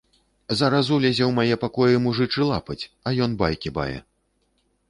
Зараз улезе ў мае пакоі мужычы лапаць, а ён байкі бае.